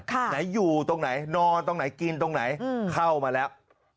ไหนอยู่ตรงไหนนอนตรงไหนกินตรงไหนเข้ามาแล้ว